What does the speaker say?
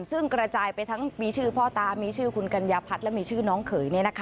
ซึ่งกระจายไปทั้งมีชื่อพ่อตามีชื่อคุณกัญญาพัฒน์และมีชื่อน้องเขย